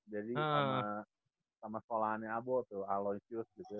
jadi sama sekolahannya abo tuh aloysius gitu ya